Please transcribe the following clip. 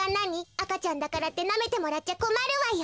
あかちゃんだからってなめてもらっちゃこまるわよ。